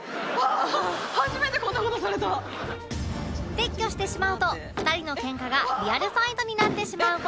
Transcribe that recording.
撤去してしまうと２人の喧嘩がリアルファイトになってしまう事